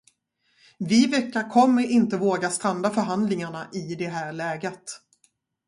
Viveca kommer inte våga stranda förhandlingarna i det här läget.